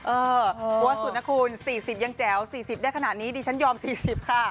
หัวสุดนะคุณ๔๐ยังแจ๋ว๔๐ได้ขนาดนี้ดิฉันยอม๔๐ค่ะ